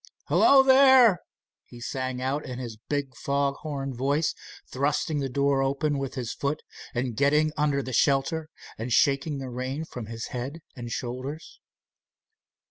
"Hello, there!" he sang out in his big foghorn voice, thrusting the door open with his foot and getting under the shelter, and shaking the rain from his head and shoulders.